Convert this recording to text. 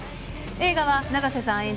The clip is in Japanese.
映画は、永瀬さん